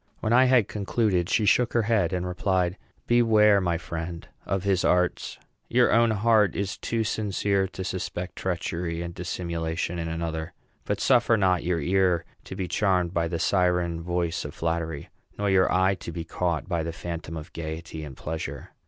When I had concluded, she shook her head, and replied, "Beware, my friend, of his arts. Your own heart is too sincere to suspect treachery and dissimulation in another; but suffer not your ear to be charmed by the siren voice of flattery, nor your eye to be caught by the phantom of gayety and pleasure.